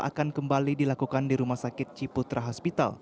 akan kembali dilakukan di rumah sakit ciputra hospital